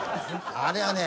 あれはね